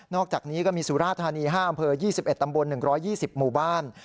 อกจากนี้ก็มีสุราธานี๕อำเภอ๒๑ตำบล๑๒๐หมู่บ้าน